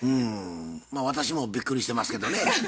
うん私もびっくりしてますけどね。